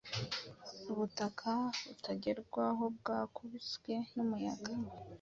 Ubutaka butagerwahobwakubiswe numuyaga